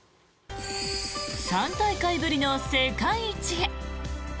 ３大会ぶりの世界一へ。